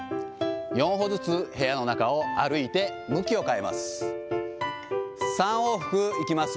４歩ずつ、部屋の中を歩いて、向きを変えます。